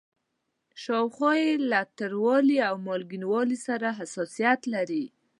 شاوخوا یې له تریوالي او مالګینوالي سره حساسیت لري.